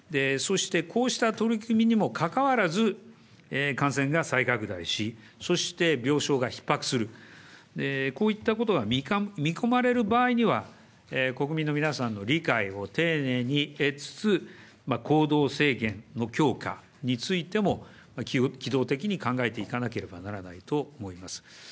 そしてこうした取り組みにもかかわらず感染が再拡大し、そして病床がひっ迫する、こういったことが見込まれる場合には、国民の皆さんの理解を丁寧に得つつ、行動制限の強化についても機動的に考えていかなければならないと思います。